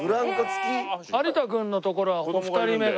有田君のところは２人目が。